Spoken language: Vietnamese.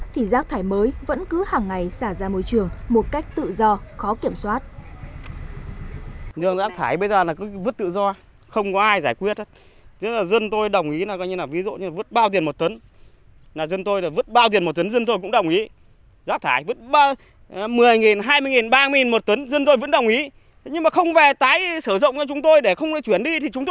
thì rác thải mới vẫn cứ hàng ngày xả ra môi trường một cách tự do khó kiểm soát